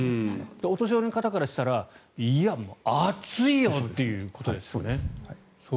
お年寄りの方からしたら暑いよということですよね。